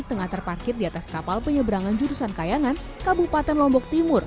tengah terparkir di atas kapal penyeberangan jurusan kayangan kabupaten lombok timur